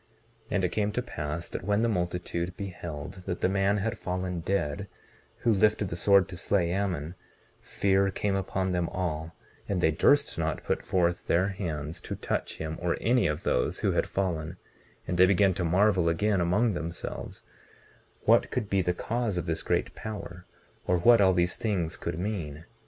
19:24 And it came to pass that when the multitude beheld that the man had fallen dead, who lifted the sword to slay Ammon, fear came upon them all, and they durst not put forth their hands to touch him or any of those who had fallen; and they began to marvel again among themselves what could be the cause of this great power, or what all these things could mean.